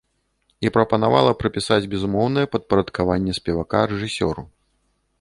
І прапанавала прапісаць безумоўнае падпарадкаванне спевака рэжысёру.